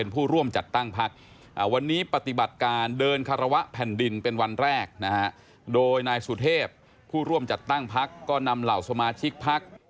ผู้ร่วมจัดตั้งภักดิ์ก็นำเหล่าสมาชิกภักดิ์